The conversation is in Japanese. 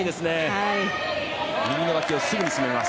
右のわきをすぐに締めます。